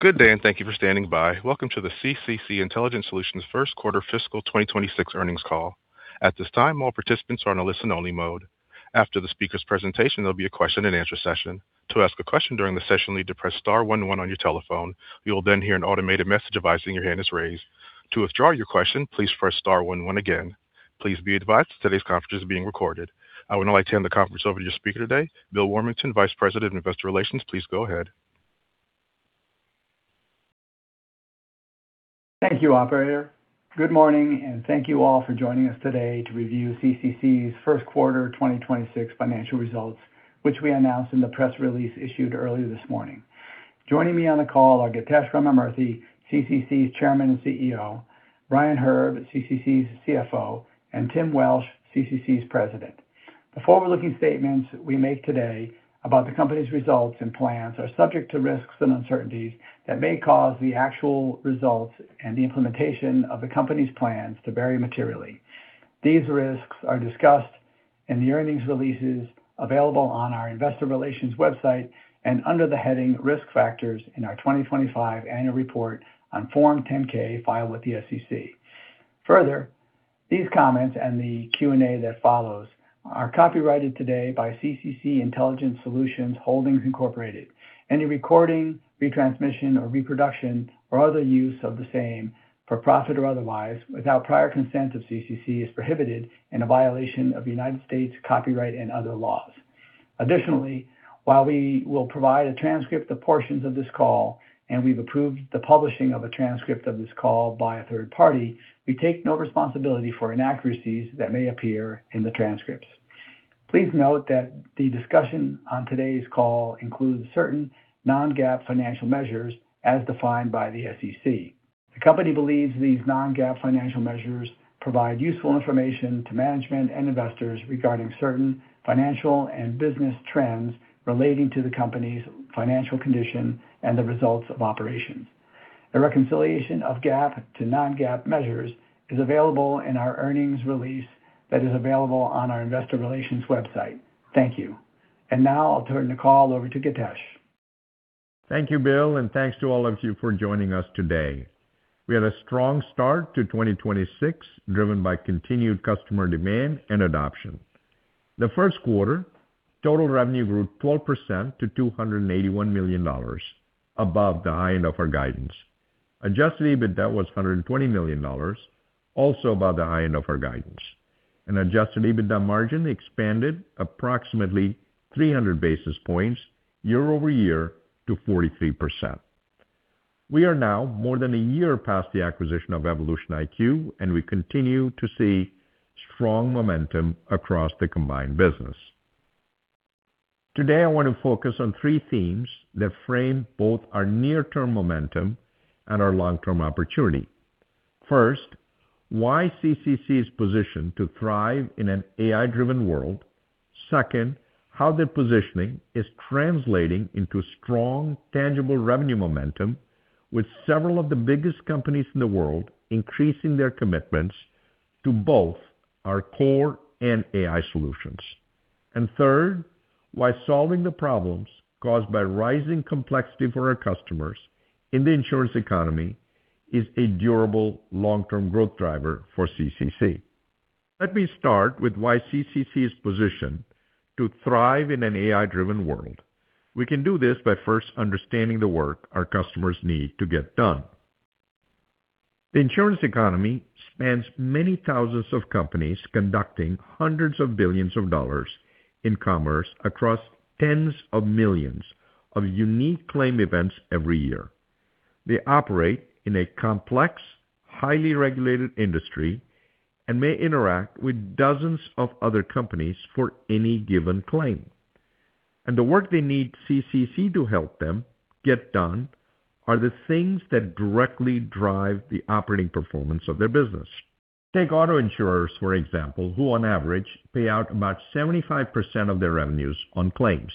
Good day and thank you for standing by. Welcome to the CCC Intelligent Solutions 1st Quarter Fiscal 2026 earnings call. At this time, all participants are on a listen-only mode. After the speaker's presentation, there will be a question-and-answer session. To ask a question during the session, you need to press star one-one on your telephone. You will then hear automated message advise when you hand is raised. To withdraw your question, please press star one-one again. Please be advised that this conference is being recorded. I would now like to hand the conference over to your speaker today, Bill Warmington, Vice President of Investor Relations. Please go ahead. Thank you, operator. Good morning, and thank you all for joining us today to review CCC's first quarter 2026 financial results, which we announced in the press release issued earlier this morning. Joining me on the call are Githesh Ramamurthy, CCC's Chairman and CEO, Brian Herb, CCC's CFO, and Tim Welsh, CCC's President. The forward-looking statements we make today about the company's results and plans are subject to risks and uncertainties that may cause the actual results and the implementation of the company's plans to vary materially. These risks are discussed in the earnings releases available on our Investor Relations website and under the heading Risk Factors in our 2025 annual report on Form 10-K filed with the SEC. These comments and the Q&A that follows are copyrighted today by CCC Intelligent Solutions Holdings Incorporated. Any recording, retransmission, or reproduction or other use of the same, for profit or otherwise, without prior consent of CCC is prohibited and a violation of United States copyright and other laws. Additionally, while we will provide a transcript of portions of this call and we've approved the publishing of a transcript of this call by a third party, we take no responsibility for inaccuracies that may appear in the transcripts. Please note that the discussion on today's call includes certain non-GAAP financial measures as defined by the SEC. The company believes these non-GAAP financial measures provide useful information to management and investors regarding certain financial and business trends relating to the company's financial condition and the results of operations. A reconciliation of GAAP to non-GAAP measures is available in our earnings release that is available on our Investor Relations website. Thank you. Now I'll turn the call over to Githesh. Thank you, Bill, and thanks to all of you for joining us today. We had a strong start to 2026, driven by continued customer demand and adoption. The first quarter, total revenue grew 12% to $281 million, above the high end of our guidance. Adjusted EBITDA was $120 million, also above the high end of our guidance. Adjusted EBITDA margin expanded approximately 300 basis points year-over-year to 43%. We are now more than a year past the acquisition of EvolutionIQ, and we continue to see strong momentum across the combined business. Today, I want to focus on three themes that frame both our near-term momentum and our long-term opportunity. First, why CCC is positioned to thrive in an AI-driven world. Second, how the positioning is translating into strong, tangible revenue momentum with several of the biggest companies in the world increasing their commitments to both our core and AI solutions. Third, why solving the problems caused by rising complexity for our customers in the insurance economy is a durable long-term growth driver for CCC. Let me start with why CCC is positioned to thrive in an AI-driven world. We can do this by first understanding the work our customers need to get done. The insurance economy spans many thousands of companies conducting hundreds of billions of dollars in commerce across tens of millions of unique claim events every year. They operate in a complex, highly regulated industry and may interact with dozens of other companies for any given claim. The work they need CCC to help them get done are the things that directly drive the operating performance of their business. Take auto insurers, for example, who on average pay out about 75% of their revenues on claims.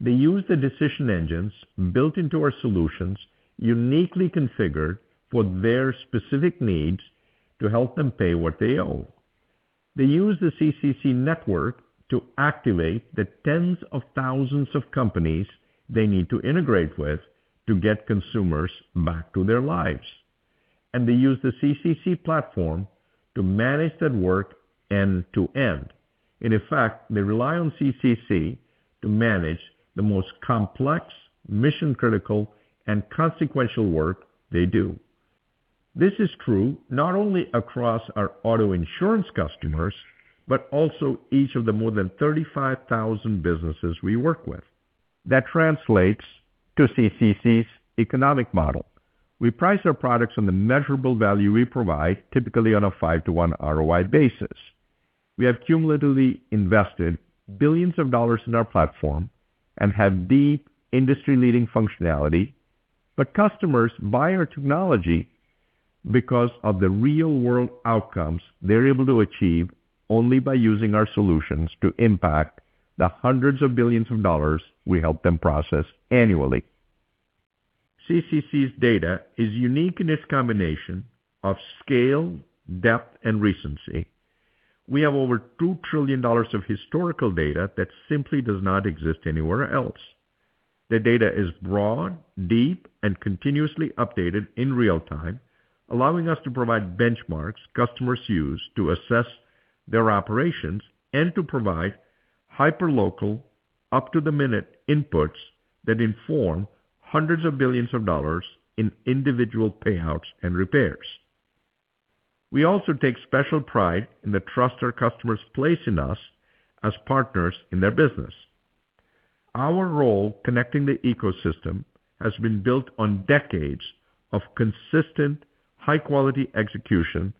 They use the decision engines built into our solutions, uniquely configured for their specific needs to help them pay what they owe. They use the CCC network to activate the tens of thousands of companies they need to integrate with to get consumers back to their lives. They use the CCC platform to manage that work end-to-end. In effect, they rely on CCC to manage the most complex, mission-critical and consequential work they do. This is true not only across our auto insurance customers but also each of the more than 35,000 businesses we work with. That translates to CCC's economic model. We price our products on the measurable value we provide, typically on a five-to-one ROI basis. We have cumulatively invested billions of dollars in our platform and have deep industry-leading functionality, but customers buy our technology because of the real-world outcomes they're able to achieve only by using our solutions to impact the hundreds of billions of dollars we help them process annually. CCC's data is unique in its combination of scale, depth, and recency. We have over $2 trillion of historical data that simply does not exist anywhere else. The data is broad, deep, and continuously updated in real time, allowing us to provide benchmarks customers use to assess their operations and to provide hyperlocal, up-to-the-minute inputs that inform hundreds of billions of dollars in individual payouts and repairs. We also take special pride in the trust our customers place in us as partners in their business. Our role connecting the ecosystem has been built on decades of consistent, high-quality execution,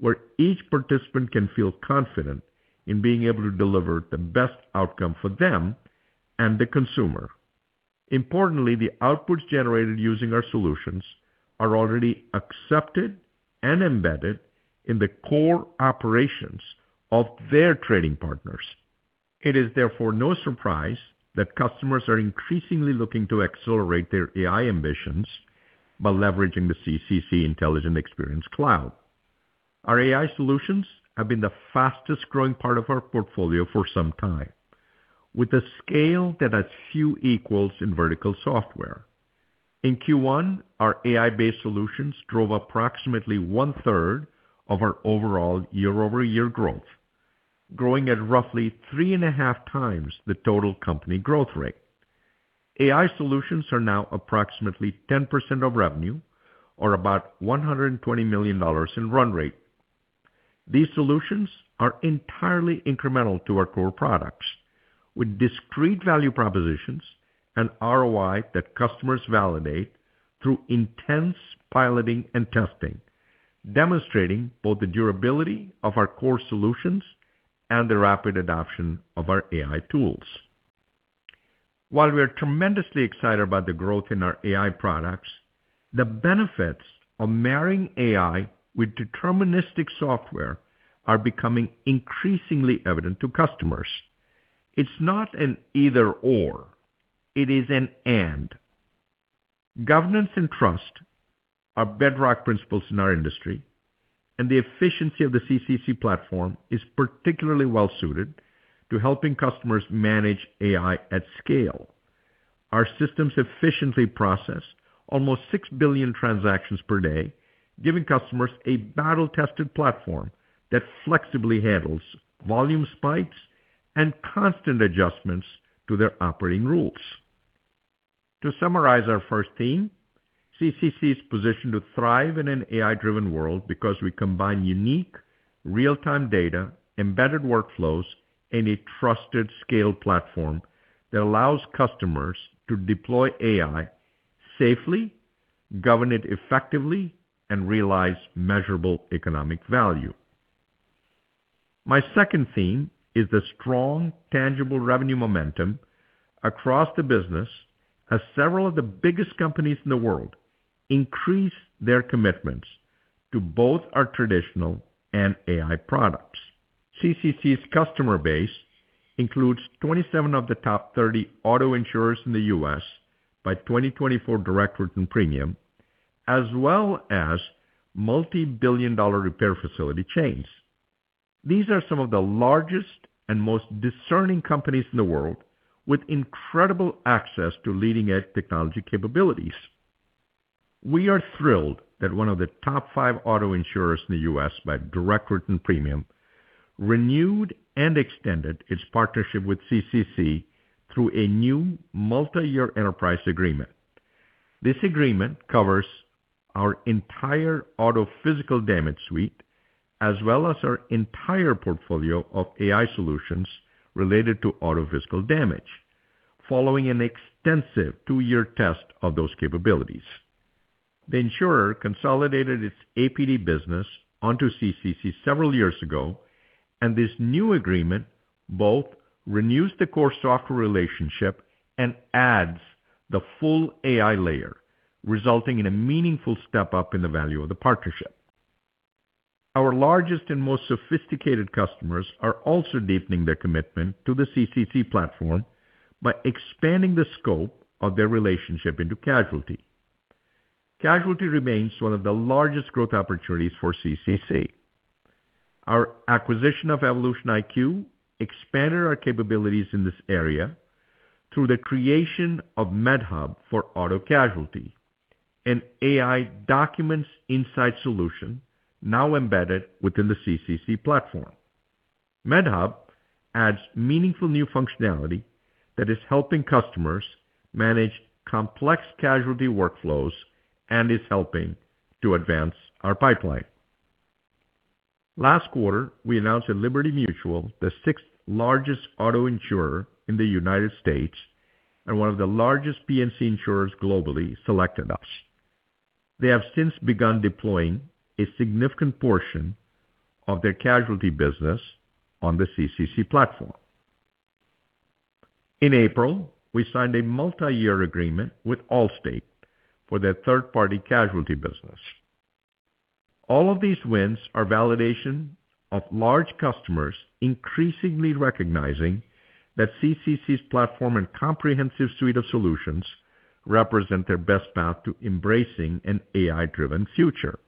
where each participant can feel confident in being able to deliver the best outcome for them and the consumer. Importantly, the outputs generated using our solutions are already accepted and embedded in the core operations of their trading partners. It is therefore no surprise that customers are increasingly looking to accelerate their AI ambitions by leveraging the CCC Intelligent Experience Cloud. Our AI solutions have been the fastest-growing part of our portfolio for some time, with a scale that has few equals in vertical software. In Q1, our AI-based solutions drove approximately 1/3 of our overall year-over-year growth, growing at roughly 3.5x the total company growth rate. AI solutions are now approximately 10% of revenue or about $120 million in run rate. These solutions are entirely incremental to our core products with discrete value propositions and ROI that customers validate through intense piloting and testing, demonstrating both the durability of our core solutions and the rapid adoption of our AI tools. While we are tremendously excited about the growth in our AI products, the benefits of marrying AI with deterministic software are becoming increasingly evident to customers. It's not an either/or, it is an and. Governance and trust are bedrock principles in our industry, and the efficiency of the CCC platform is particularly well-suited to helping customers manage AI at scale. Our systems efficiently process almost 6 billion transactions per day, giving customers a battle-tested platform that flexibly handles volume spikes and constant adjustments to their operating rules. To summarize our first theme, CCC is positioned to thrive in an AI-driven world because we combine unique real-time data, embedded workflows, and a trusted scale platform that allows customers to deploy AI safely, govern it effectively, and realize measurable economic value. My second theme is the strong, tangible revenue momentum across the business as several of the biggest companies in the world increase their commitments to both our traditional and AI products. CCC's customer base includes 27 of the top 30 auto insurers in the U.S. by 2024 direct written premium, as well as multi-billion dollar repair facility chains. These are some of the largest and most discerning companies in the world with incredible access to leading-edge technology capabilities. We are thrilled that one of the top five auto insurers in the U.S. by direct written premium renewed and extended its partnership with CCC through a new multi-year enterprise agreement. This agreement covers our entire auto physical damage suite as well as our entire portfolio of AI solutions related to auto physical damage following an extensive two-year test of those capabilities. The insurer consolidated its APD business onto CCC several years ago, and this new agreement both renews the core software relationship and adds the full AI layer, resulting in a meaningful step-up in the value of the partnership. Our largest and most sophisticated customers are also deepening their commitment to the CCC platform by expanding the scope of their relationship into casualty. Casualty remains one of the largest growth opportunities for CCC. Our acquisition of EvolutionIQ expanded our capabilities in this area through the creation of MedHub for auto casualty, an AI documents insight solution now embedded within the CCC platform. MedHub adds meaningful new functionality that is helping customers manage complex casualty workflows and is helping to advance our pipeline. Last quarter, we announced that Liberty Mutual, the sixth-largest auto insurer in the United States and one of the largest P&C insurers globally, selected us. They have since begun deploying a significant portion of their casualty business on the CCC platform. In April, we signed a multi-year agreement with Allstate for their third-party casualty business. All of these wins are validation of large customers increasingly recognizing that CCC's platform and comprehensive suite of solutions represent their best path to embracing an AI-driven future.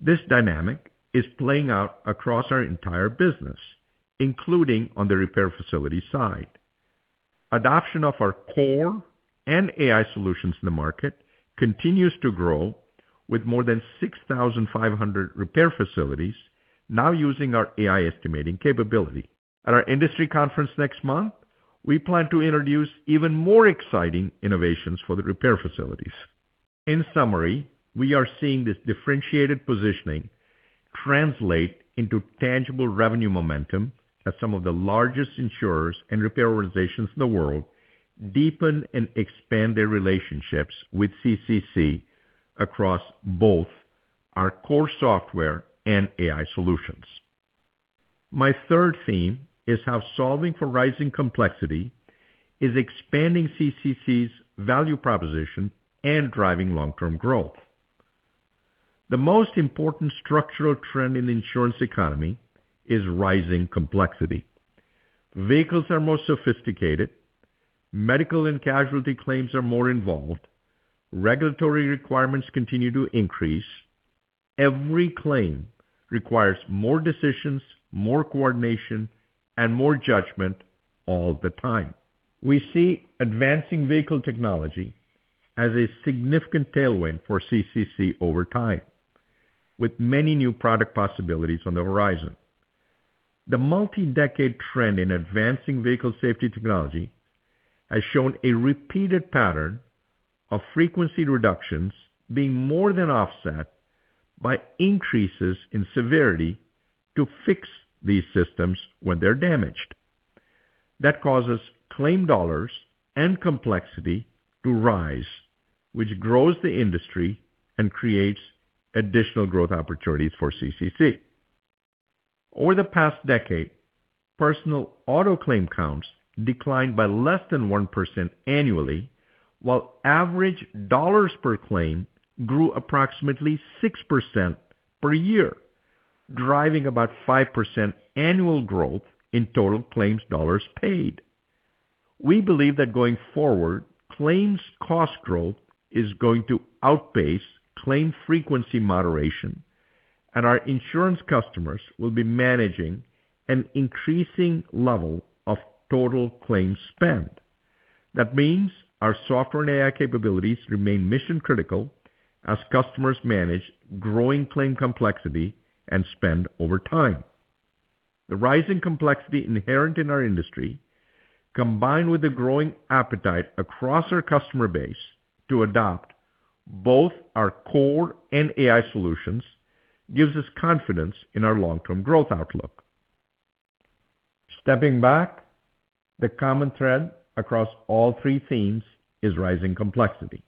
This dynamic is playing out across our entire business, including on the repair facility side. Adoption of our core and AI solutions in the market continues to grow with more than 6,500 repair facilities now using our AI estimating capability. At our industry conference next month, we plan to introduce even more exciting innovations for the repair facilities. In summary, we are seeing this differentiated positioning translate into tangible revenue momentum as some of the largest insurers and repair organizations in the world deepen and expand their relationships with CCC across both our core software and AI solutions. My third theme is how solving for rising complexity is expanding CCC's value proposition and driving long-term growth. The most important structural trend in the insurance economy is rising complexity. Vehicles are more sophisticated, medical and casualty claims are more involved, regulatory requirements continue to increase. Every claim requires more decisions, more coordination, and more judgment all the time. We see advancing vehicle technology as a significant tailwind for CCC over time, with many new product possibilities on the horizon. The multi-decade trend in advancing vehicle safety technology has shown a repeated pattern of frequency reductions being more than offset by increases in severity to fix these systems when they're damaged. That causes claim dollars and complexity to rise, which grows the industry and creates additional growth opportunities for CCC. Over the past decade, personal auto claim counts declined by less than 1% annually, while average dollars per claim grew approximately 6% per year, driving about 5% annual growth in total claims dollars paid. We believe that going forward, claims cost growth is going to outpace claim frequency moderation, and our insurance customers will be managing an increasing level of total claims spend. That means our software and AI capabilities remain mission-critical as customers manage growing claim complexity and spend over time. The rising complexity inherent in our industry, combined with the growing appetite across our customer base to adopt both our core and AI solutions, gives us confidence in our long-term growth outlook. Stepping back, the common thread across all three themes is rising complexity.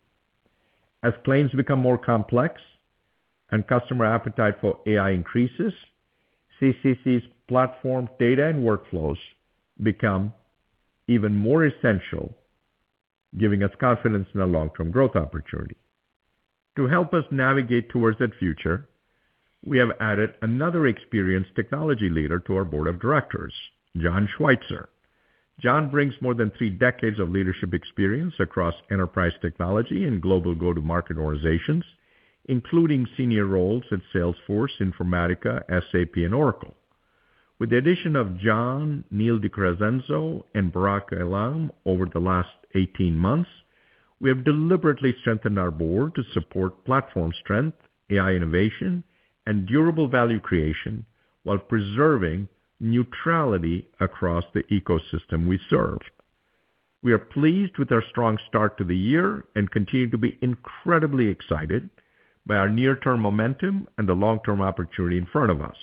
As claims become more complex and customer appetite for AI increases, CCC's platform data and workflows become even more essential, giving us confidence in the long-term growth opportunity. To help us navigate towards that future, we have added another experienced technology leader to our Board of Directors, John Schweitzer. John brings more than three decades of leadership experience across enterprise technology and global go-to-market organizations, including senior roles at Salesforce, Informatica, SAP, and Oracle. With the addition of John, Neil de Crescenzo, and Barak Eilam over the last 18 months, we have deliberately strengthened our Board to support platform strength, AI innovation, and durable value creation while preserving neutrality across the ecosystem we serve. We are pleased with our strong start to the year and continue to be incredibly excited by our near-term momentum and the long-term opportunity in front of us.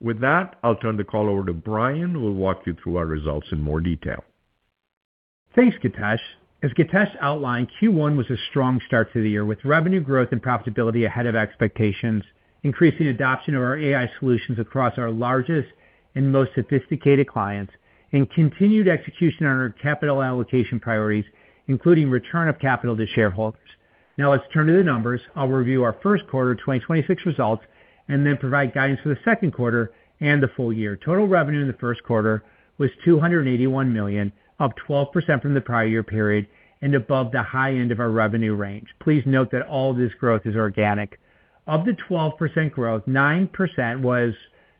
With that, I'll turn the call over to Brian, who will walk you through our results in more detail. Thanks, Githesh. As Githesh outlined, Q1 was a strong start to the year with revenue growth and profitability ahead of expectations, increasing adoption of our AI solutions across our largest and most sophisticated clients, and continued execution on our capital allocation priorities, including return of capital to shareholders. Let's turn to the numbers. I'll review our first quarter 2026 results and then provide guidance for the second quarter and the full year. Total revenue in the first quarter was $281 million, up 12% from the prior year period and above the high end of our revenue range. Please note that all of this growth is organic. Of the 12% growth, 9% was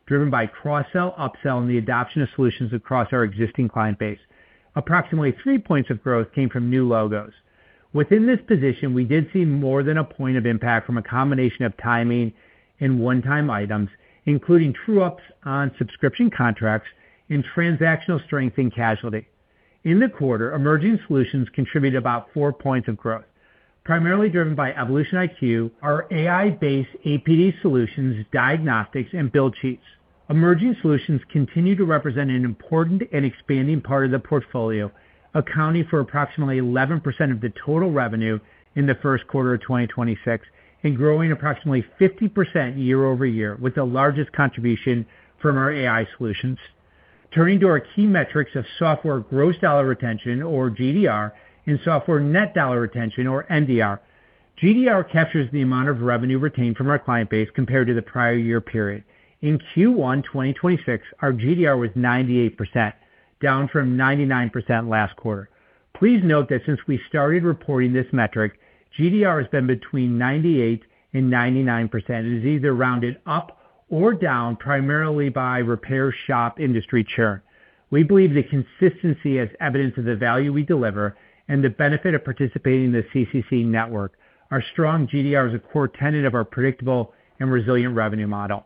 driven by cross-sell, up-sell, and the adoption of solutions across our existing client base. Approximately three points of growth came from new logos. Within this position, we did see more than a point of impact from a combination of timing and one-time items, including true ups on subscription contracts and transactional strength in casualty. In the quarter, emerging solutions contributed about four points of growth, primarily driven by EvolutionIQ, our AI-based APD solutions, diagnostics and build sheets. Emerging solutions continue to represent an important and expanding part of the portfolio, accounting for approximately 11% of the total revenue in the first quarter of 2026 and growing approximately 50% year-over-year, with the largest contribution from our AI solutions. Turning to our key metrics of software Gross Dollar Retention or GDR and software Net Dollar Retention or NDR. GDR captures the amount of revenue retained from our client base compared to the prior year period. In Q1 2026, our GDR was 98%, down from 99% last quarter. Please note that since we started reporting this metric, GDR has been between 98% and 99%. It is either rounded up or down primarily by repair shop industry churn. We believe the consistency as evidence of the value we deliver and the benefit of participating in the CCC network. Our strong GDR is a core tenet of our predictable and resilient revenue model.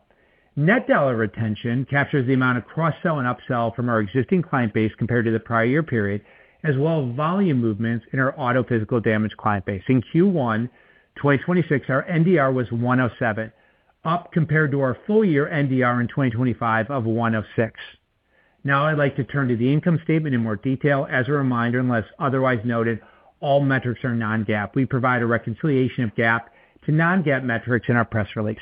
Net dollar retention captures the amount of cross-sell and upsell from our existing client base compared to the prior year period, as well as volume movements in our auto physical damage client base. In Q1 2026, our NDR was 107, up compared to our full year NDR in 2025 of 106. Now, I'd like to turn to the income statement in more detail. As a reminder, unless otherwise noted, all metrics are non-GAAP. We provide a reconciliation of GAAP to non-GAAP metrics in our press release.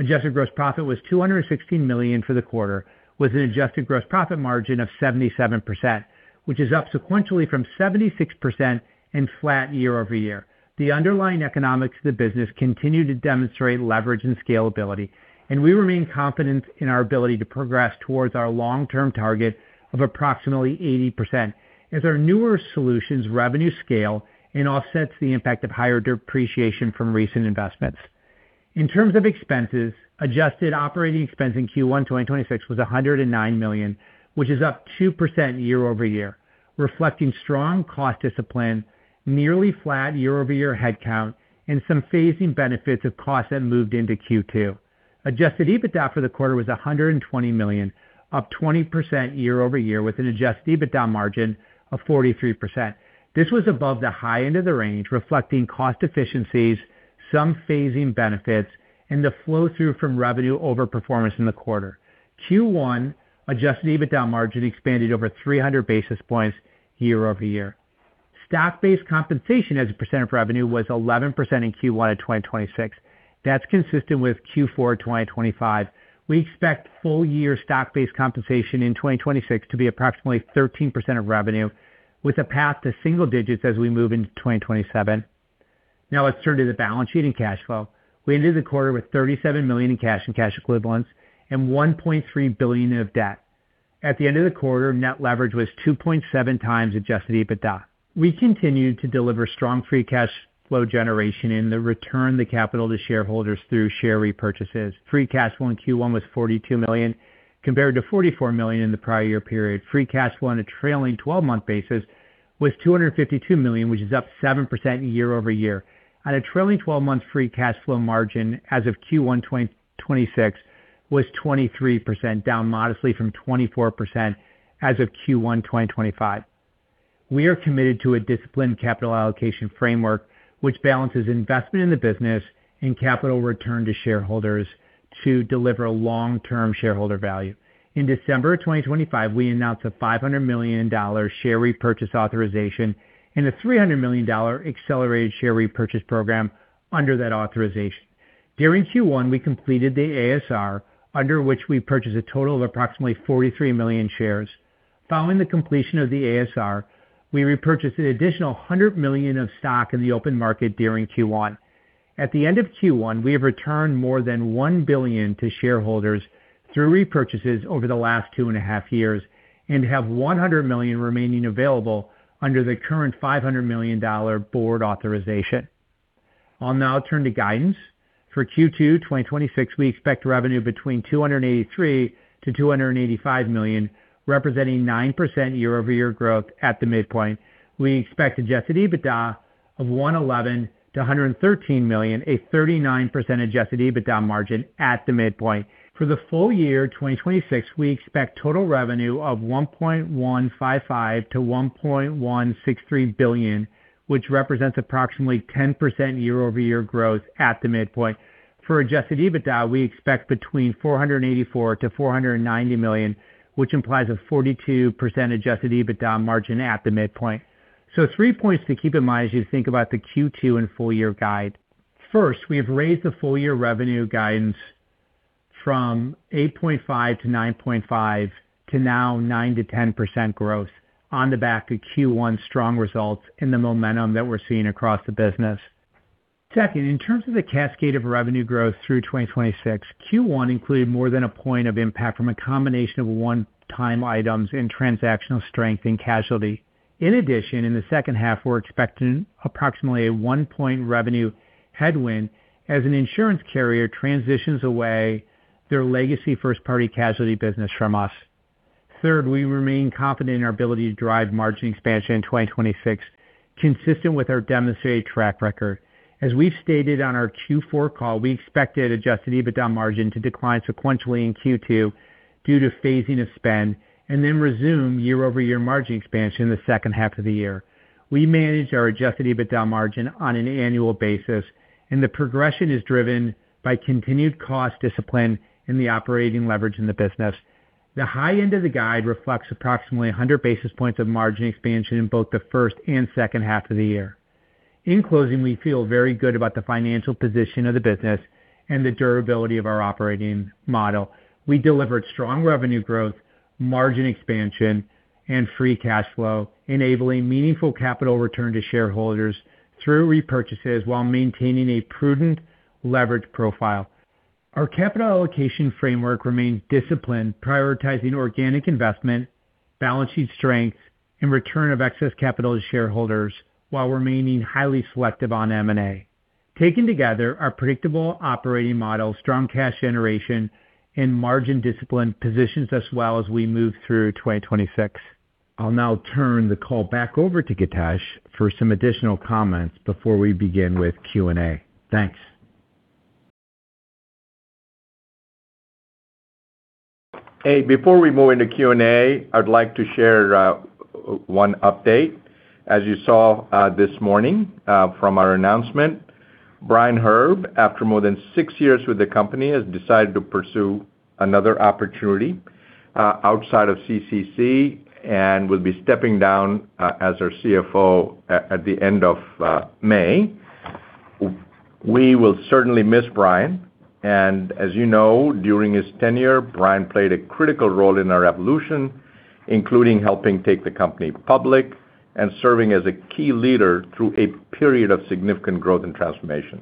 Adjusted gross profit was $216 million for the quarter, with an adjusted gross profit margin of 77%, which is up sequentially from 76% and flat year-over-year. The underlying economics of the business continue to demonstrate leverage and scalability. We remain confident in our ability to progress towards our long-term target of approximately 80% as our newer solutions revenue scale and offsets the impact of higher depreciation from recent investments. In terms of expenses, adjusted operating expense in Q1 2026 was $109 million, which is up 2% year-over-year, reflecting strong cost discipline, nearly flat year-over-year headcount, and some phasing benefits of costs that moved into Q2. Adjusted EBITDA for the quarter was $120 million, up 20% year-over-year with an adjusted EBITDA margin of 43%. This was above the high end of the range, reflecting cost efficiencies, some phasing benefits, and the flow-through from revenue overperformance in the quarter. Q1 adjusted EBITDA margin expanded over 300 basis points year-over-year. Stock-based compensation as a % of revenue was 11% in Q1 of 2026. That's consistent with Q4 2025. We expect full year stock-based compensation in 2026 to be approximately 13% of revenue, with a path to single digits as we move into 2027. Now, let's turn to the balance sheet and cash flow. We ended the quarter with $37 million in cash and cash equivalents and $1.3 billion of debt. At the end of the quarter, net leverage was 2.7x adjusted EBITDA. We continued to deliver strong free cash flow generation and then return the capital to shareholders through share repurchases. Free cash flow in Q1 was $42 million compared to $44 million in the prior year period. Free cash flow on a trailing 12-month basis was $252 million, which is up 7% year-over-year. On a trailing 12-month free cash flow margin as of Q1 2026 was 23%, down modestly from 24% as of Q1 2025. We are committed to a disciplined capital allocation framework which balances investment in the business and capital return to shareholders to deliver long-term shareholder value. In December of 2025, we announced a $500 million share repurchase authorization and a $300 million accelerated share repurchase program under that authorization. During Q1, we completed the ASR, under which we purchased a total of approximately 43 million shares. Following the completion of the ASR, we repurchased an additional $100 million of stock in the open market during Q1. At the end of Q1, we have returned more than $1 billion to shareholders through repurchases over the last 2.5 years and have $100 million remaining available under the current $500 million board authorization. I'll now turn to guidance. For Q2 2026, we expect revenue between $283 million-$285 million, representing 9% year-over-year growth at the midpoint. We expect adjusted EBITDA of $111 million-$113 million, a 39% adjusted EBITDA margin at the midpoint. For the full year, 2026, we expect total revenue of $1.155 billion-$1.163 billion, which represents approximately 10% year-over-year growth at the midpoint. For adjusted EBITDA, we expect between $484 million-$490 million, which implies a 42% adjusted EBITDA margin at the midpoint. Three points to keep in mind as you think about the Q2 and full year guide. First, we have raised the full year revenue guidance from 8.5%-9.5% to now 9%-10% growth on the back of Q1 strong results and the momentum that we're seeing across the business. Second, in terms of the cascade of revenue growth through 2026, Q1 included more than a point of impact from a combination of one-time items and transactional strength and casualty. In addition, in the second half, we're expecting approximately a one-point revenue headwind as an insurance carrier transitions away their legacy first party casualty business from us. Third, we remain confident in our ability to drive margin expansion in 2026, consistent with our demonstrated track record. As we've stated on our Q4 call, we expected adjusted EBITDA margin to decline sequentially in Q2 due to phasing of spend and then resume year-over-year margin expansion in the second half of the year. We manage our adjusted EBITDA margin on an annual basis, and the progression is driven by continued cost discipline in the operating leverage in the business. The high end of the guide reflects approximately 100 basis points of margin expansion in both the first and second half of the year. In closing, we feel very good about the financial position of the business. The durability of our operating model. We delivered strong revenue growth, margin expansion, and free cash flow, enabling meaningful capital return to shareholders through repurchases while maintaining a prudent leverage profile. Our capital allocation framework remains disciplined, prioritizing organic investment, balance sheet strength, and return of excess capital to shareholders while remaining highly selective on M&A. Taken together, our predictable operating model, strong cash generation, and margin discipline positions us well as we move through 2026. I'll now turn the call back over to Githesh for some additional comments before we begin with Q&A. Thanks. Before we move into Q&A, I'd like to share one update. As you saw this morning from our announcement, Brian Herb, after more than six years with the company, has decided to pursue another opportunity outside of CCC and will be stepping down as our CFO at the end of May. We will certainly miss Brian, and as you know, during his tenure, Brian played a critical role in our evolution, including helping take the company public and serving as a key leader through a period of significant growth and transformation.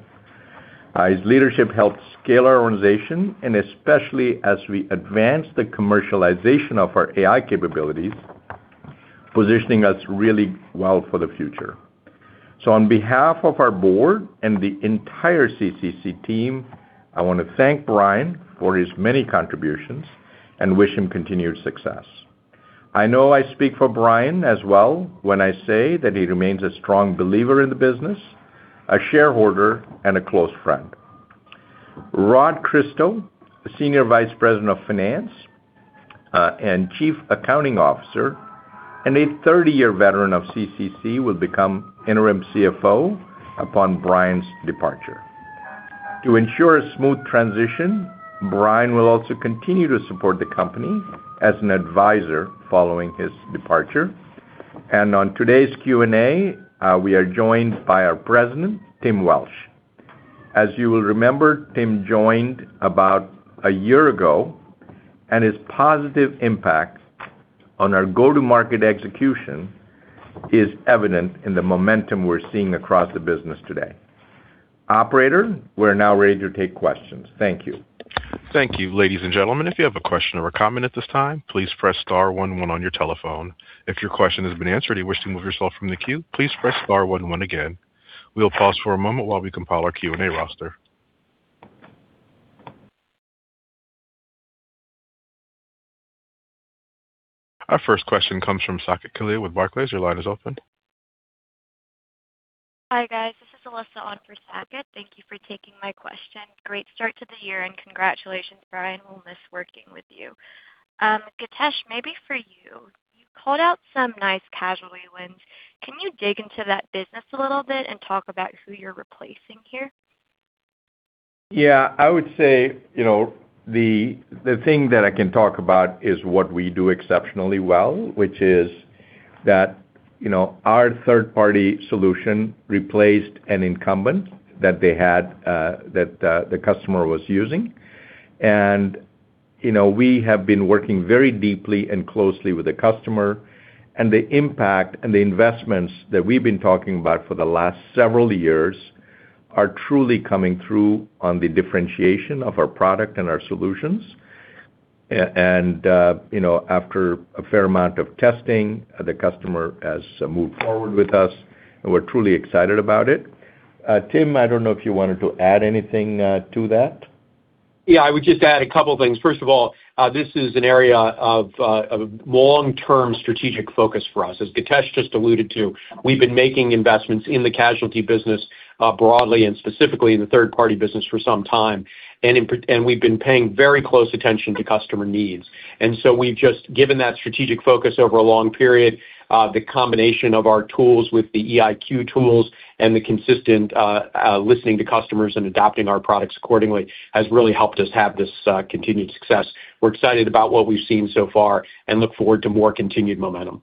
His leadership helped scale our organization, and especially as we advance the commercialization of our AI capabilities, positioning us really well for the future. On behalf of our Board and the entire CCC team, I want to thank Brian for his many contributions and wish him continued success. I know I speak for Brian as well when I say that he remains a strong believer in the business, a shareholder, and a close friend. Rod Christo, Senior Vice President of Finance, and Chief Accounting Officer, and a 30-year veteran of CCC, will become interim CFO upon Brian's departure. To ensure a smooth transition, Brian will also continue to support the company as an Advisor following his departure. On today's Q&A, we are joined by our President, Tim Welsh. As you will remember, Tim joined about a year ago, and his positive impact on our go-to-market execution is evident in the momentum we're seeing across the business today. Operator, we're now ready to take questions. Thank you. Thank you. Ladies and gentlemen, if you have a question or a comment at this time, please press star one-one on your telephone. If your question has been answered and you wish to remove yourself from the queue, please press star one-one again. We'll pause for a moment while we compile our Q&A roster. Our first question comes from Saket Kalia with Barclays. Your line is open. Hi, guys. This is Alyssa on for Saket. Thank you for taking my question. Great start to the year, and congratulations, Brian. We'll miss working with you. Githesh, maybe for you. You called out some nice casualty wins. Can you dig into that business a little bit and talk about who you're replacing here? Yes. I would say, the thing that I can talk about is what we do exceptionally well, which is that our third-party solution replaced an incumbent that they had that the customer was using. We have been working very deeply and closely with the customer, and the impact and the investments that we've been talking about for the last several years are truly coming through on the differentiation of our product and our solutions. After a fair amount of testing, the customer has moved forward with us, and we're truly excited about it. Tim, I don't know if you wanted to add anything to that. Yes. I would just add a couple of things. First of all, this is an area of long-term strategic focus for us. As Githesh just alluded to, we've been making investments in the casualty business broadly and specifically in the third-party business for some time. We've been paying very close attention to customer needs. Given that strategic focus over a long period, the combination of our tools with the EIQ tools and the consistent listening to customers and adapting our products accordingly has really helped us have this continued success. We're excited about what we've seen so far and look forward to more continued momentum.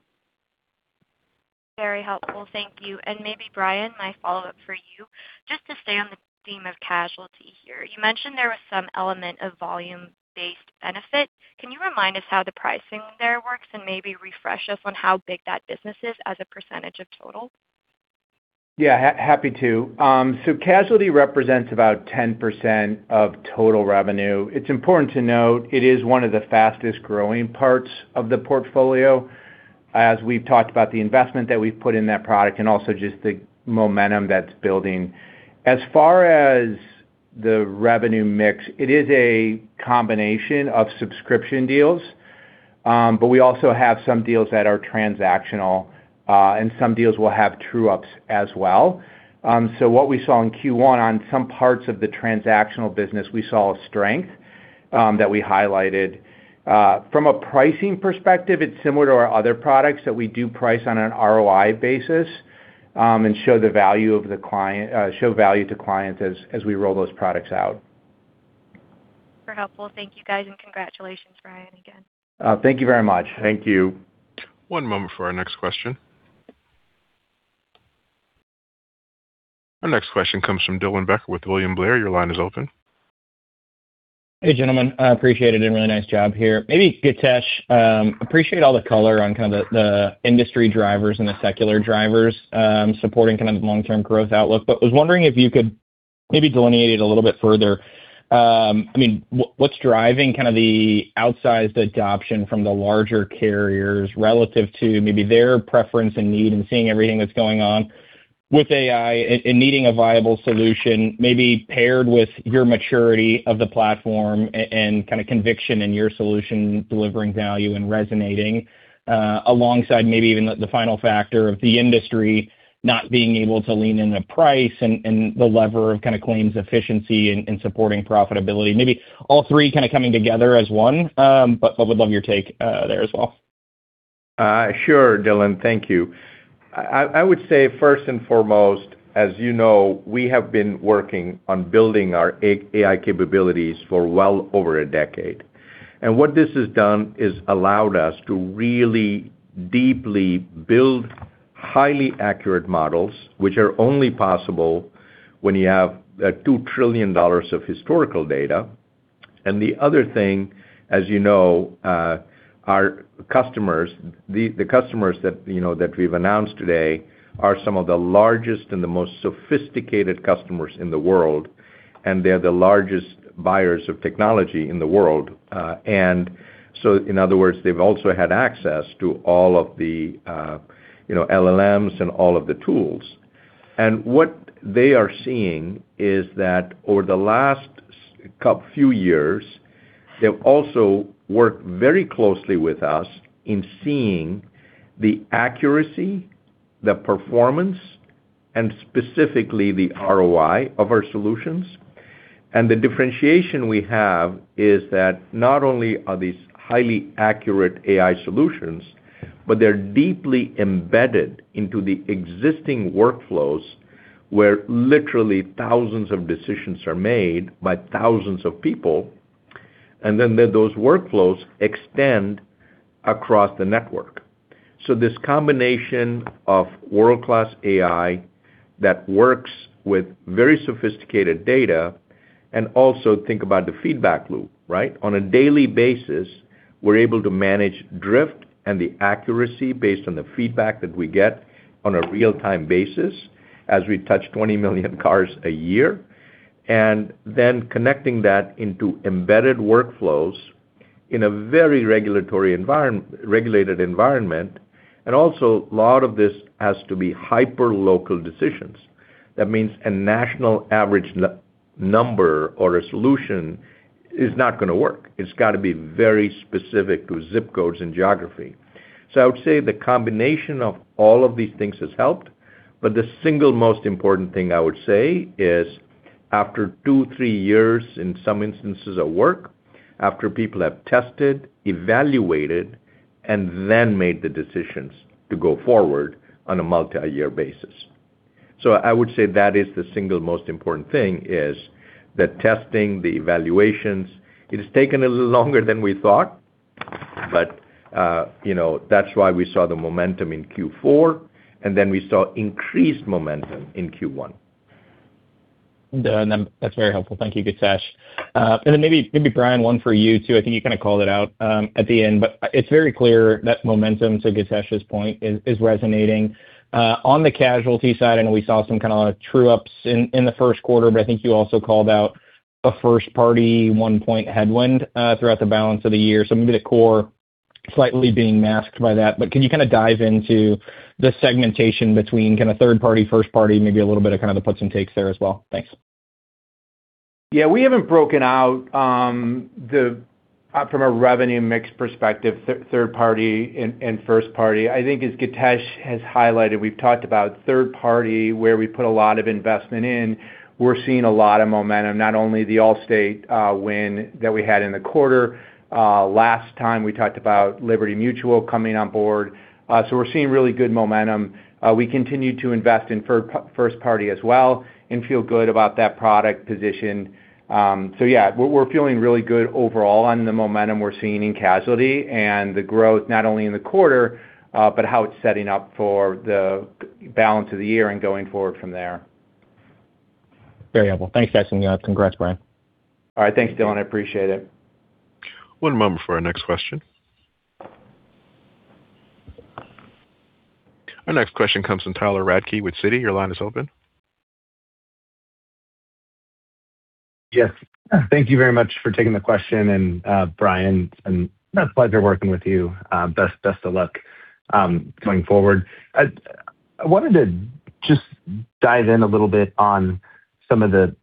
Very helpful. Thank you. Maybe, Brian, my follow-up for you, just to stay on the theme of casualty here. You mentioned there was some element of volume-based benefit. Can you remind us how the pricing there works and maybe refresh us on how big that business is as a percentage of total? Yes. Happy to. Casualty represents about 10% of total revenue. It's important to note it is one of the fastest-growing parts of the portfolio as we've talked about the investment that we've put in that product and also just the momentum that's building. As far as the revenue mix, it is a combination of subscription deals, but we also have some deals that are transactional, and some deals will have true ups as well. What we saw in Q1 on some parts of the transactional business, we saw a strength that we highlighted. From a pricing perspective, it's similar to our other products that we do price on an ROI basis, and show value to clients as we roll those products out. Super helpful. Thank you, guys, and congratulations, Brian, again. Thank you very much. Thank you. One moment for our next question. Our next question comes from Dylan Becker with William Blair. Your line is open. Hey, gentlemen. I appreciate it, and really nice job here. Maybe, Githesh, appreciate all the color on kind of the industry drivers and the secular drivers, supporting kind of the long-term growth outlook. Was wondering if you could maybe delineate it a little bit further. I mean, what's driving kind of the outsized adoption from the larger carriers relative to maybe their preference and need in seeing everything that's going on with AI and needing a viable solution may be paired with your maturity of the platform and kind of conviction in your solution delivering value and resonating, alongside maybe even the final factor of the industry not being able to lean into price and the lever of kind of claims efficiency and supporting profitability. Maybe all three, kind of coming together as one. Would love your take, there as well. Sure, Dylan. Thank you. I would say first and foremost, as you know, we have been working on building our AI capabilities for well over a decade. What this has done is allowed us to really deeply build highly accurate models, which are only possible when you have $2 trillion of historical data. The other thing, as you know, our customers, the customers that, that we've announced today are some of the largest and the most sophisticated customers in the world, and they're the largest buyers of technology in the world. In other words, they've also had access to all of the, LLMs and all of the tools. What they are seeing is that over the last few years, they've also worked very closely with us in seeing the accuracy, the performance, and specifically the ROI of our solutions. The differentiation we have is that not only are these highly accurate AI solutions, but they're deeply embedded into the existing workflows, where literally thousands of decisions are made by thousands of people, and then those workflows extend across the network. This combination of world-class AI that works with very sophisticated data, and also think about the feedback loop, right? On a daily basis, we're able to manage drift and the accuracy based on the feedback that we get on a real-time basis as we touch 20 million cars a year. Connecting that into embedded workflows in a very regulated environment. A lot of this has to be hyperlocal decisions. That means a national average number or a solution is not going to work. It's got to be very specific to zip codes and geography. I would say the combination of all of these things has helped, but the single most important thing I would say is, after two, three years, in some instances of work, after people have tested, evaluated, and then made the decisions to go forward on a multi-year basis. I would say that is the single most important thing, is the testing, the evaluations. It has taken a little longer than we thought, but, that's why we saw the momentum in Q4, and then we saw increased momentum in Q1. That's very helpful. Thank you, Githesh. Maybe Brian, one for you too. I think you kind of called it out at the end, but it's very clear that momentum, to Githesh's point, is resonating. On the casualty side, I know we saw some kind of true ups in the first quarter, but I think you also called out a first party one-point headwind throughout the balance of the year. Maybe the core slightly being masked by that. Can you kind of dive into the segmentation between kind of third party, first party, maybe a little bit of kind of the puts and takes there as well? Thanks. Yes, we haven't broken out, from a revenue mix perspective, third party and first party. I think as Githesh has highlighted, we've talked about third party, where we put a lot of investment in. We're seeing a lot of momentum, not only the Allstate win that we had in the quarter. Last time we talked about Liberty Mutual coming on board. We're seeing really good momentum. We continue to invest in first party as well and feel good about that product position. Yes, we're feeling really good overall on the momentum we're seeing in casualty and the growth, not only in the quarter, but how it's setting up for the balance of the year and going forward from there. Very helpful. Thanks, guys, and congrats, Brian. All right. Thanks, Dylan. I appreciate it. One moment for our next question. Our next question comes from Tyler Radke with Citi. Your line is open. Yes. Thank you very much for taking the question. Brian, it's a pleasure working with you. Best of luck going forward. I wanted to just dive in a little bit on some of the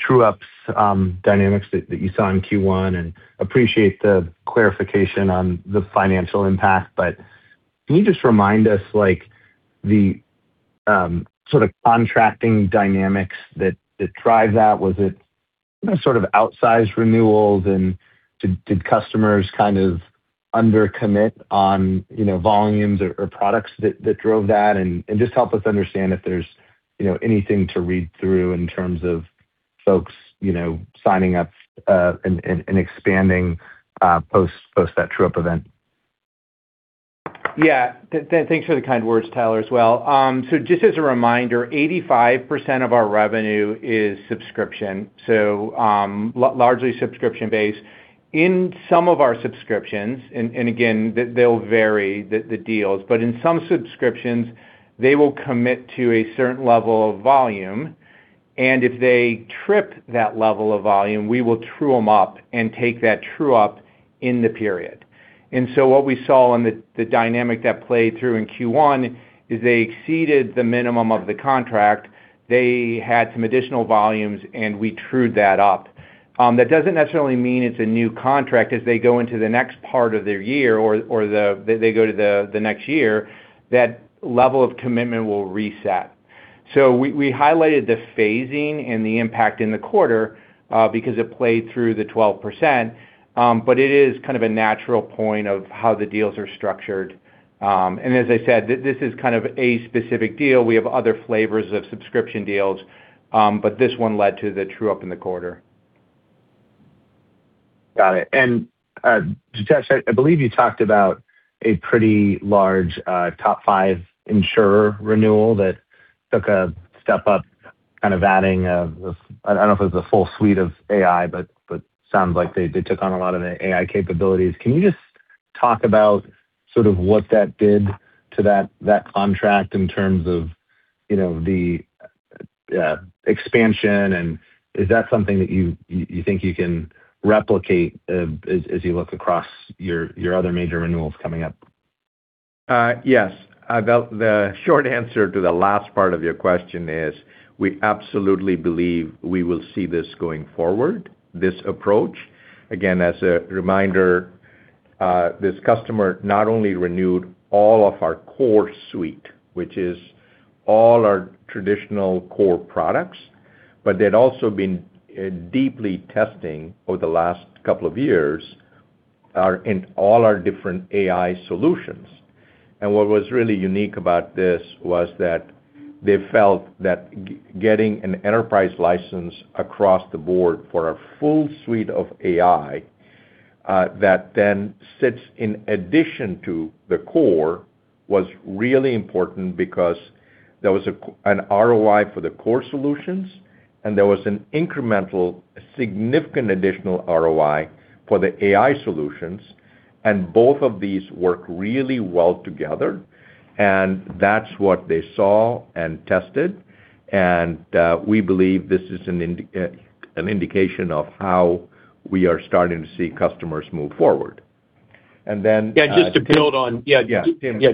true ups dynamics that you saw in Q1 and appreciate the clarification on the financial impact. Can you just remind us, like the sort of contracting dynamics that drive that? Was it sort of outsized renewals? Did customers kind of under commit on, volumes or products that drove that? Just help us understand if there's, anything to read through in terms of folks, signing up and expanding post that true-up event. Thanks for the kind words, Tyler, as well. Just as a reminder, 85% of our revenue is subscription, largely subscription based. In some of our subscriptions, and again, they'll vary, the deals, in some subscriptions they will commit to a certain level of volume, if they trip that level of volume, we will true them up and take that true-up in the period. What we saw and the dynamic that played through in Q1 is they exceeded the minimum of the contract. They had some additional volumes, and we trued that up. That doesn't necessarily mean it's a new contract. As they go into the next part of their year or they go to the next year, that level of commitment will reset. We highlighted the phasing and the impact in the quarter because it played through the 12%, but it is kind of a natural point of how the deals are structured. As I said, this is kind of a specific deal. We have other flavors of subscription deals, but this one led to the true-up in the quarter. Got it. Githesh, I believe you talked about a pretty large top five insurer renewal that took a step up, kind of adding, I don't know if it was a full suite of AI, but sounds like they took on a lot of the AI capabilities. Can you just talk about sort of what that did to that contract in terms of, the expansion, and is that something that you think you can replicate as you look across your other major renewals coming up? Yes. The short answer to the last part of your question is we absolutely believe we will see this going forward, this approach. Again, as a reminder, this customer not only renewed all of our core suite, which is all our traditional core products, but they'd also been deeply testing over the last couple of years in all our different AI solutions. What was really unique about this was that they felt that getting an enterprise license across the board for a full suite of AI that then sits in addition to the core, was really important because there was an ROI for the core solutions and there was an incremental significant additional ROI for the AI solutions, and both of these work really well together, and that's what they saw and tested. We believe this is an indication of how we are starting to see customers move forward. Yes, and just to build- Yes. Yes,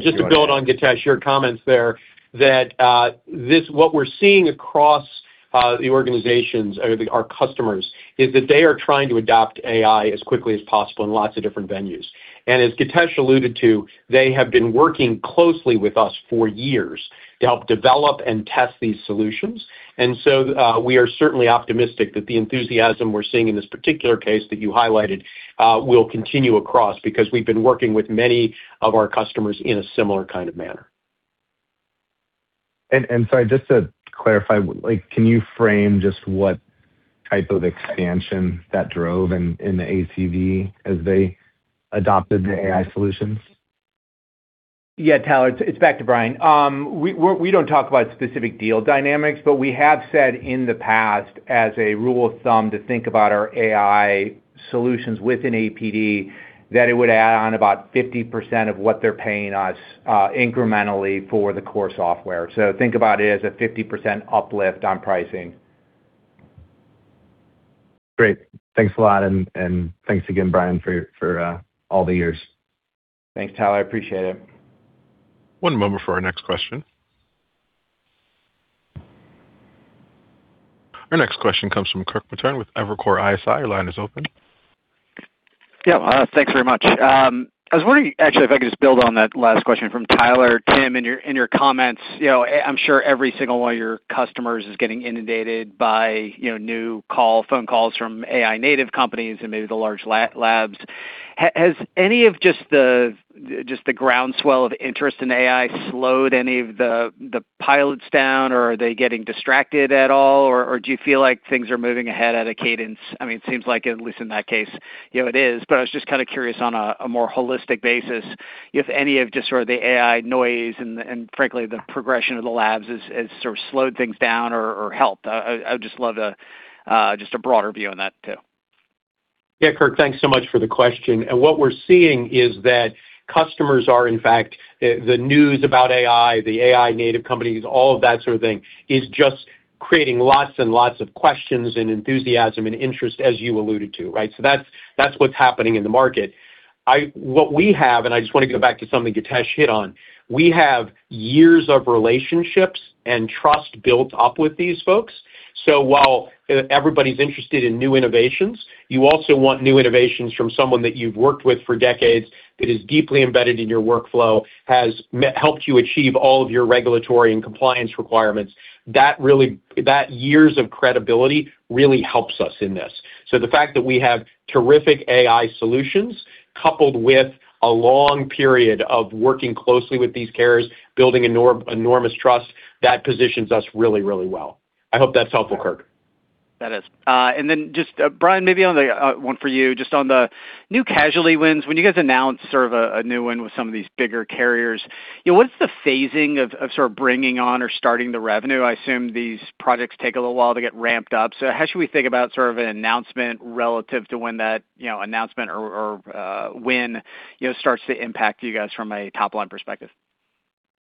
just to build on, Githesh, your comments there, what we're seeing across the organizations or our customers is that they are trying to adopt AI as quickly as possible in lots of different venues. As Githesh alluded to, they have been working closely with us for years to help develop and test these solutions. We are certainly optimistic that the enthusiasm we're seeing in this particular case that you highlighted, will continue across because we've been working with many of our customers in a similar kind of manner. Sorry, just to clarify, like, can you frame just what type of expansion that drove in the ACV as they adopted the AI solutions? Yes, Tyler, it's back to Brian. We don't talk about specific deal dynamics, but we have said in the past, as a rule of thumb, to think about our AI solutions within APD, that it would add on about 50% of what they're paying us incrementally for the core software. Think about it as a 50% uplift on pricing. Great. Thanks a lot, and thanks again, Brian, for all the years. Thanks, Tyler. I appreciate it. One moment for our next question. Our next question comes from Kirk Materne with Evercore ISI. Your line is open. Yes, thanks very much. I was wondering actually if I could just build on that last question from Tyler, Tim. In your comments, I'm sure every single one of your customers is getting inundated by, new call, phone calls from AI native companies and maybe the large labs. Has any of just the groundswell of interest in AI slowed any of the pilots down, or are they getting distracted at all? Or do you feel like things are moving ahead at a cadence? I mean, it seems like at least in that case, it is. I was just kind of curious on a more holistic basis if any of just sort of the AI noise and frankly, the progression of the labs has sort of slowed things down or helped? I'd just love to, just a broader view on that too. Yes, Kirk, thanks so much for the question. What we're seeing is that customers are in fact, the news about AI, the AI native companies, all of that sort of thing, is just creating lots and lots of questions and enthusiasm and interest, as you alluded to, right? That's what's happening in the market. What we have, and I just want to go back to something Githesh hit on, we have years of relationships and trust built up with these folks. While everybody's interested in new innovations, you also want new innovations from someone that you've worked with for decades, that is deeply embedded in your workflow, has helped you achieve all of your regulatory and compliance requirements. That years of credibility really helps us in this. The fact that we have terrific AI solutions coupled with a long period of working closely with these carriers, building enormous trust, that positions us really, really well. I hope that's helpful, Kirk. That is. Brian, maybe on the one for you just on the new casualty wins. When you guys announce sort of a new one with some of these bigger carriers, what is the phasing of bringing on or starting the revenue? I assume these projects take a little while to get ramped up. How should we think about sort of an announcement relative to when that announcement or win starts to impact you guys from a top-line perspective?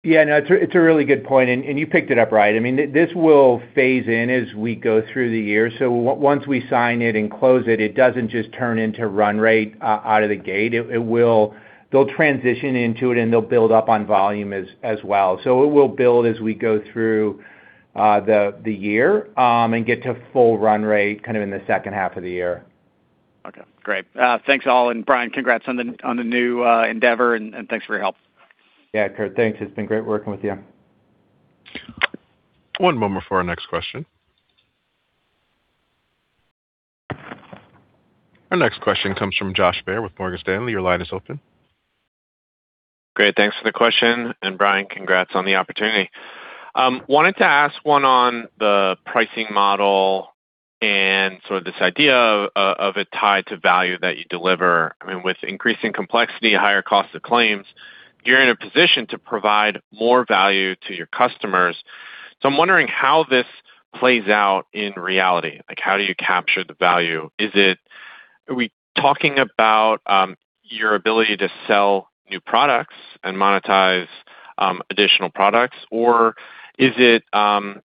Yes, it's a really good point, and you picked it up right. I mean, this will phase in as we go through the year. Once we sign it and close it doesn't just turn into run rate out of the gate. They'll transition into it. They'll build up on volume as well. It will build as we go through the year, get to full run rate kind of in the second half of the year. Okay, great. Thanks, all, and Brian, congrats on the new endeavor, and thanks for your help. Yes, Kirk, thanks. It's been great working with you. One moment for our next question. Our next question comes from Josh Baer with Morgan Stanley. Your line is open. Great. Thanks for the question, and Brian, congrats on the opportunity. Wanted to ask one on the pricing model and sort of this idea of a tie to value that you deliver. I mean, with increasing complexity, higher cost of claims, you're in a position to provide more value to your customers. I'm wondering how this plays out in reality. Like, how do you capture the value? Are we talking about your ability to sell new products and monetize additional products? Or, is it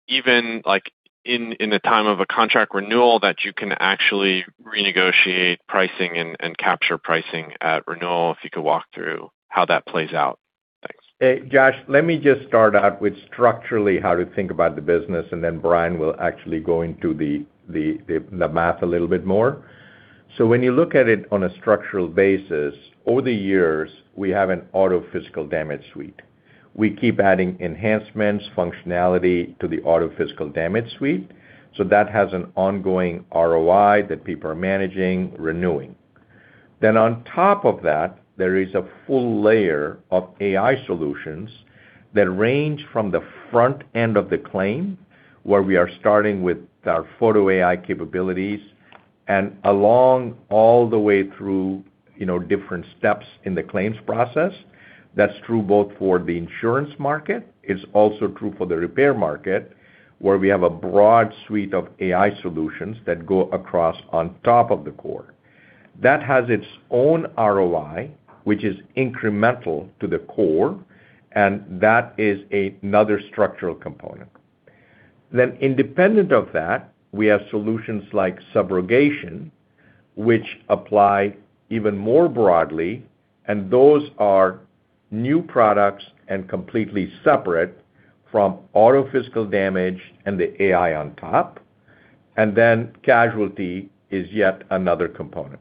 even like in the time of a contract renewal that you can actually renegotiate pricing and capture pricing at renewal? If you could walk through how that plays out. Thanks. Josh, let me just start out with structurally how to think about the business, and then Brian will actually go into the math a little bit more. When you look at it on a structural basis, over the years, we have an auto physical damage suite. We keep adding enhancements, functionality to the auto physical damage suite, so that has an ongoing ROI that people are managing, renewing. On top of that, there is a full layer of AI solutions that range from the front end of the claim, where we are starting with our photo AI capabilities, and along all the way through, different steps in the claims process. That's true both for the insurance market. It's also true for the repair market, where we have a broad suite of AI solutions that go across on top of the core. That has its own ROI, which is incremental to the core, and that is another structural component. Independent of that, we have solutions like subrogation, which apply even more broadly, and those are new products and completely separate from auto physical damage and the AI on top. Casualty is yet another component.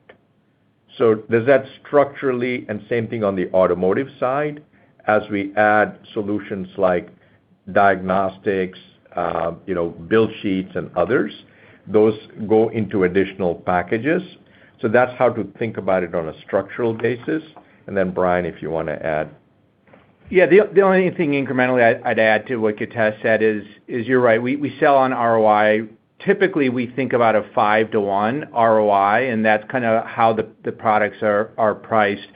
Does that structurally, and same thing on the automotive side, as we add solutions like diagnostics, build sheets and others, those go into additional packages. That's how to think about it on a structural basis. Brian, if you want to add. Yes. The only thing incrementally I'd add to what Githesh said is you're right. We sell on ROI. Typically, we think about a five-to-one ROI, and that's kind of how the products are priced.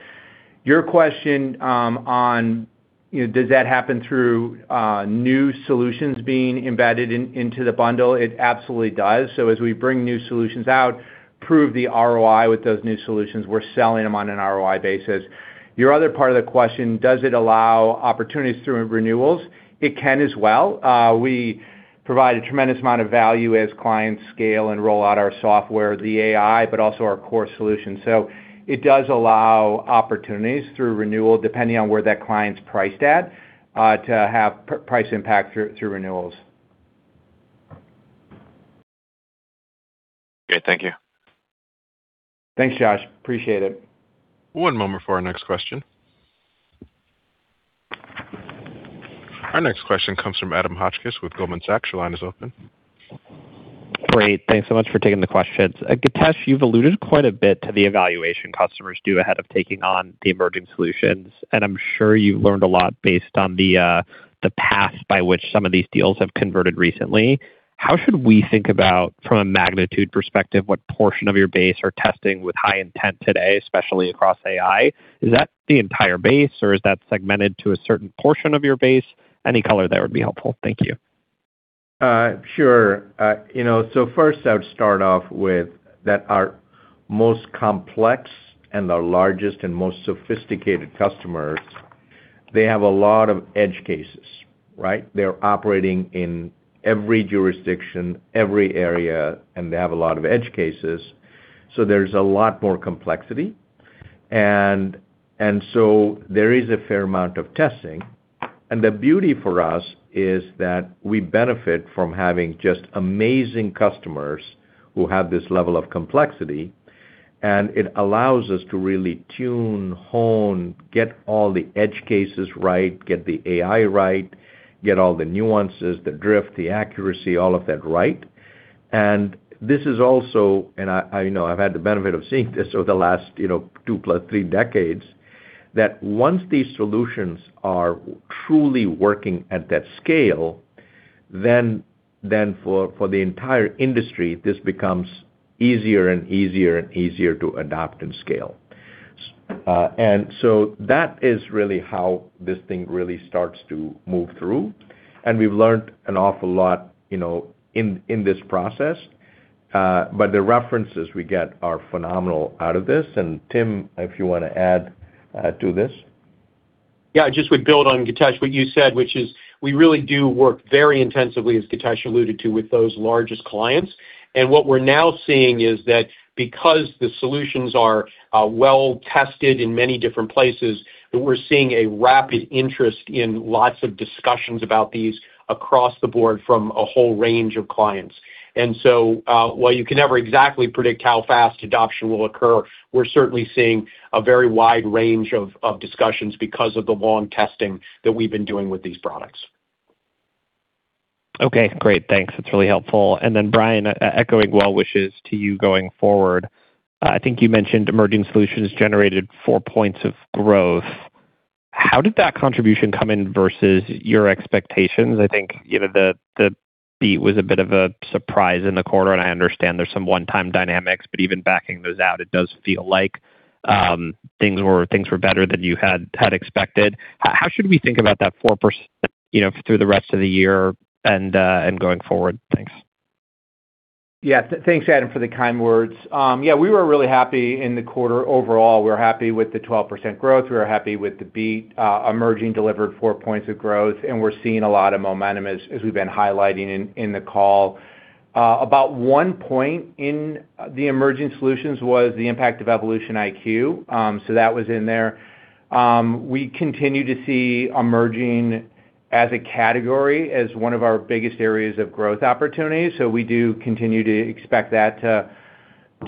Your question on does that happen through new solutions being embedded into the bundle, it absolutely does. As we bring new solutions out, prove the ROI with those new solutions, we're selling them on an ROI basis. Your other part of the question, does it allow opportunities through renewals? It can as well. We provide a tremendous amount of value as clients scale and roll out our software, the AI, but also our core solution. It does allow opportunities through renewal, depending on where that client's priced at, to have price impact through renewals. Great. Thank you. Thanks, Josh. Appreciate it. One moment for our next question. Our next question comes from Adam Hotchkiss with Goldman Sachs. Your line is open. Great. Thanks so much for taking the questions. Githesh, you've alluded quite a bit to the evaluation customers do ahead of taking on the emerging solutions, and I'm sure you've learned a lot based on the path by which some of these deals have converted recently. How should we think about, from a magnitude perspective, what portion of your base are testing with high intent today, especially across AI? Is that the entire base or is that segmented to a certain portion of your base? Any color there would be helpful. Thank you. Sure. First, I would start off with that our most complex and our largest and most sophisticated customers, they have a lot of edge cases, right? They're operating in every jurisdiction, every area, and they have a lot of edge cases. There's a lot more complexity. There is a fair amount of testing. The beauty for us is that we benefit from having just amazing customers who have this level of complexity, and it allows us to really tune, hone, get all the edge cases right, get the AI right, get all the nuances, the drift, the accuracy, all of that right. This is also, I know I've had the benefit of seeing this over the last two plus three decades, that once these solutions are truly working at that scale, then for the entire industry, this becomes easier and easier and easier to adopt and scale. That is really how this thing really starts to move through. We've learned an awful lot in this process. The references we get are phenomenal out of this. Tim, if you want to add to this. Yes, I just would build on, Githesh, what you said, which is we really do work very intensively, as Githesh alluded to, with those largest clients. What we're now seeing is that because the solutions are well-tested in many different places, we're seeing a rapid interest in lots of discussions about these across the board from a whole range of clients. While you can never exactly predict how fast adoption will occur, we're certainly seeing a very wide range of discussions because of the long testing that we've been doing with these products. Okay, great. Thanks. That's really helpful. Brian, echoing well wishes to you going forward. I think you mentioned emerging solutions generated four points of growth. How did that contribution come in versus your expectations? I think, the beat was a bit of a surprise in the quarter, and I understand there's some one-time dynamics, but even backing those out, it does feel like things were better than you had expected. How should we think about that 4%, through the rest of the year and going forward? Thanks. Yes. Thanks, Adam, for the kind words. Yes, we were really happy in the quarter overall. We're happy with the 12% growth. We were happy with the beat. Emerging delivered four points of growth, and we're seeing a lot of momentum as we've been highlighting in the call. About one point in the emerging solutions was the impact of EvolutionIQ, so that was in there. We continue to see emerging as a category, as one of our biggest areas of growth opportunities. We do continue to expect that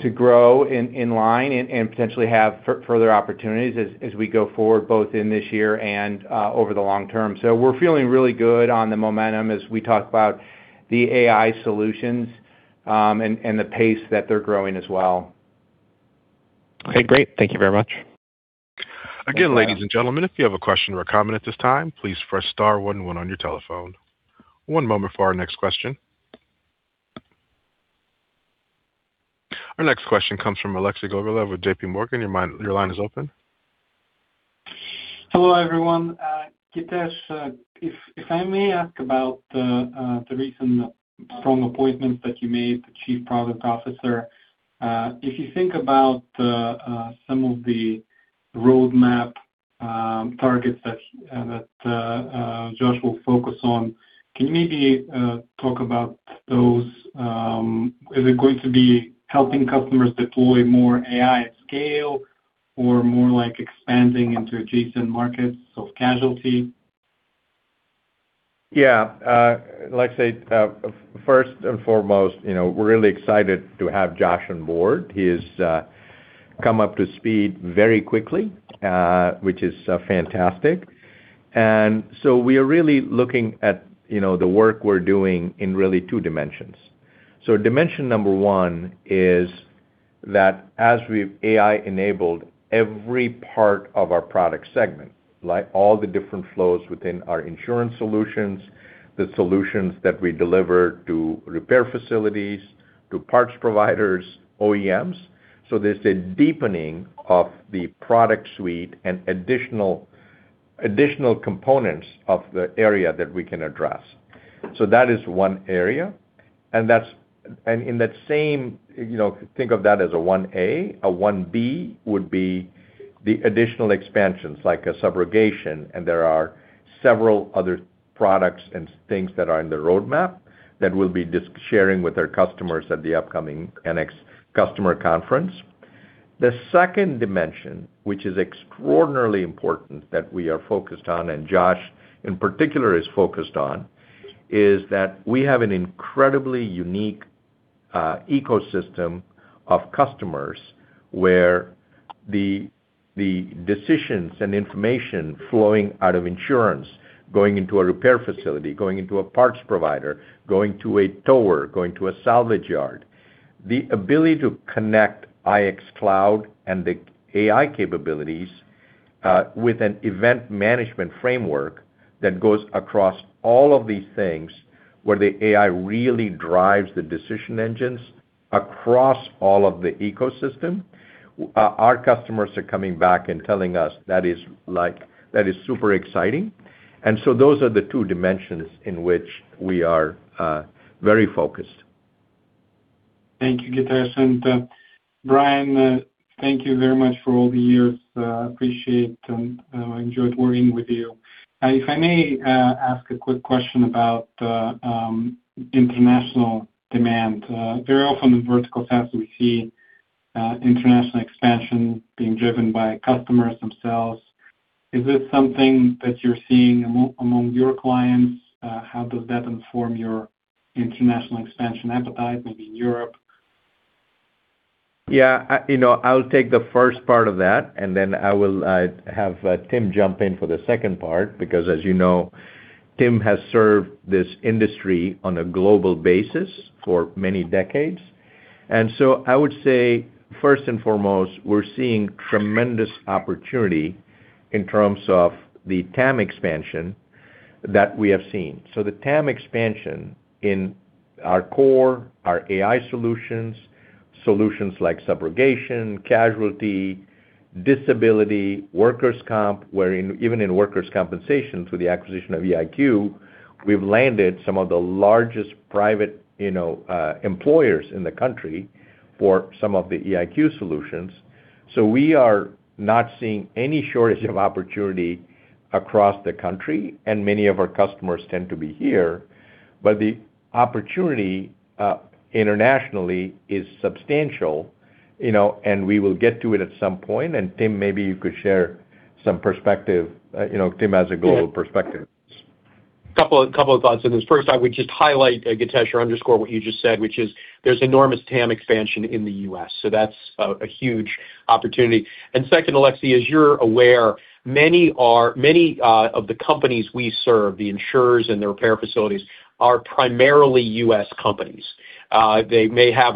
to grow in line and potentially have further opportunities as we go forward, both in this year and over the long term. We're feeling really good on the momentum as we talk about the AI solutions, and the pace that they're growing as well. Okay, great. Thank you very much. Again, ladies and gentlemen, if you have a question or comment at this time, please press star one-one on your telephone. One moment for our next question. Our next question comes from Alexei Gogolev with J.P. Morgan. Your line is open. Hello, everyone. Githesh, if I may ask about the recent strong appointments that you made, the Chief Product Officer. If you think about the some of the roadmap targets that Josh will focus on, can you maybe talk about those? Is it going to be helping customers deploy more AI at scale or more like expanding into adjacent markets of casualty? Yes. Alexei, first and foremost, we're really excited to have Josh on board. He has come up to speed very quickly, which is fantastic. We are really looking at, the work we're doing in really two dimensions. Dimension number one is that as we've AI-enabled every part of our product segment, like, all the different flows within our insurance solutions, the solutions that we deliver to repair facilities, to parts providers, OEMs. There's a deepening of the product suite and additional components of the area that we can address. That is one area. In that same, think of that as a 1A. A 1B would be the additional expansions like a subrogation, and there are several other products and things that are in the roadmap that we'll be just sharing with our customers at the upcoming NX customer conference. The second dimension, which is extraordinarily important that we are focused on, and Josh in particular is focused on, is that we have an incredibly unique ecosystem of customers where the decisions and information flowing out of insurance, going into a repair facility, going into a parts provider, going to a tower, going to a salvage yard. The ability to connect IX Cloud and the AI capabilities with an event management framework that goes across all of these things where the AI really drives the decision engines across all of the ecosystem. Our customers are coming back and telling us that is like, that is super exciting. Those are the two dimensions in which we are very focused. Thank you, Githesh. Brian, thank you very much for all the years. Appreciate and enjoyed working with you. If I may ask a quick question about international demand. Very often in vertical stacks, we see international expansion being driven by customers themselves. Is this something that you're seeing among your clients? How does that inform your international expansion appetite, maybe in Europe? Yes. I'll take the first part of that. I will have Tim jump in for the second part because, as you know, Tim has served this industry on a global basis for many decades. I would say, first and foremost, we're seeing tremendous opportunity in terms of the TAM expansion that we have seen. The TAM expansion in our core, our AI solutions like subrogation, casualty, disability, workers' comp, where in, even in workers' compensation through the acquisition of EIQ, we've landed some of the largest private employers in the country for some of the EIQ solutions. We are not seeing any shortage of opportunity across the country, and many of our customers tend to be here. The opportunity internationally is substantial. We will get to it at some point. Tim, maybe you could share some perspective. Tim has a global perspective. Couple of thoughts on this. First, I would just highlight, Githesh, or underscore what you just said, which is there's enormous TAM expansion in the U.S., so that's a huge opportunity. Second, Alexei, as you're aware, many of the companies we serve, the insurers and the repair facilities, are primarily U.S. companies. They may have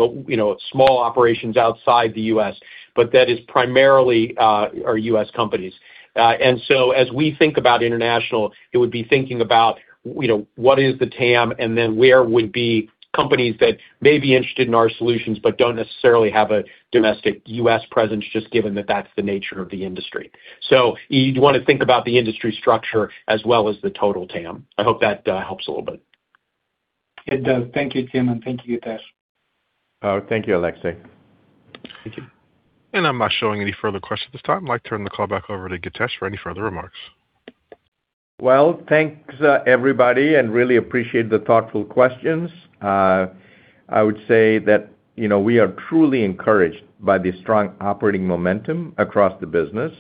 small operations outside the U.S., but that is primarily U.S. companies. As we think about international, it would be thinking about, what is the TAM and then where would be companies that may be interested in our solutions but don't necessarily have a domestic U.S. presence, just given that that's the nature of the industry. You'd want to think about the industry structure as well as the total TAM. I hope that helps a little bit. It does. Thank you, Tim, and thank you, Githesh. Thank you, Alexei. Thank you. I'm not showing any further questions at this time. I'd like to turn the call back over to Githesh for any further remarks. Well, thanks, everybody, and really appreciate the thoughtful questions. I would say that we are truly encouraged by the strong operating momentum across the business,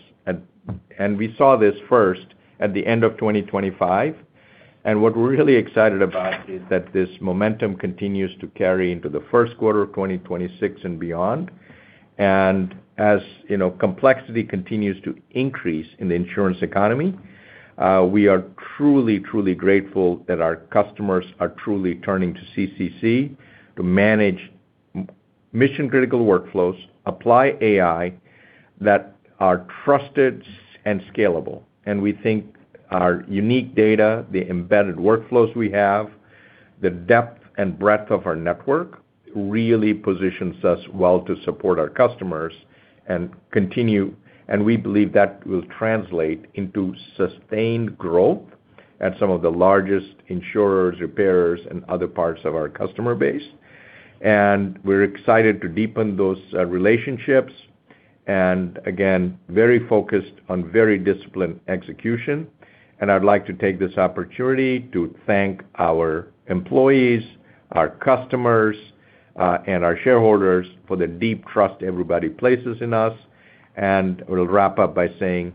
and we saw this first at the end of 2025. What we're really excited about is that this momentum continues to carry into the first quarter of 2026 and beyond. As complexity continues to increase in the insurance economy, we are truly grateful that our customers are truly turning to CCC to manage mission-critical workflows, apply AI that are trusted and scalable. We think our unique data, the embedded workflows we have, the depth and breadth of our network really positions us well to support our customers and continue. We believe that will translate into sustained growth at some of the largest insurers, repairers, and other parts of our customer base. We're excited to deepen those relationships, and again, very focused on very disciplined execution. I'd like to take this opportunity to thank our employees, our customers, and our shareholders for the deep trust everybody places in us. We'll wrap up by saying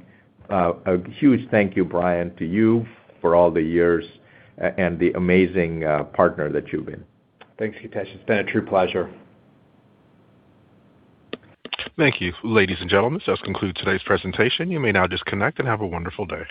a huge thank you, Brian, to you for all the years and the amazing partner that you've been. Thanks, Githesh. It's been a true pleasure. Thank you. Ladies and gentlemen, this does conclude today's presentation. You may now disconnect, and have a wonderful day.